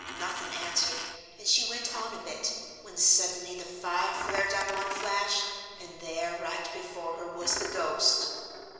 Nothing answered, and she went on a bit, when suddenly the fire flared up one flash, and there right before her was the ghost."